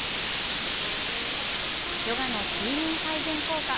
ヨガの睡眠改善効果。